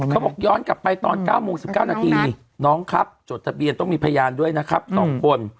บอกย้อนกลับไปตอน๙โมง๑๙นาทีน้องครับจดทะเบียนต้องมีพยานด้วยนะครับ๒คน